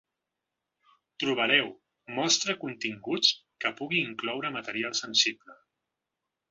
Trobareu ‘Mostra continguts que pugui incloure material sensible’.